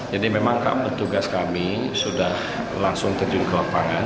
jadi memang kak petugas kami sudah langsung terjun ke wakfangan